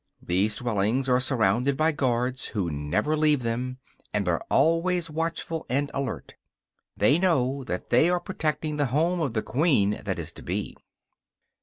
These dwellings are surrounded by guards who never leave them, and are always watchful and alert. They know that they are protecting the home of the queen that is to be.